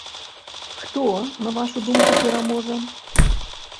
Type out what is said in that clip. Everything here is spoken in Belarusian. Хто, на вашу думку, пераможа?